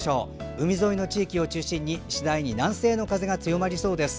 海沿いの地域を中心に次第に南西の風が強まりそうです。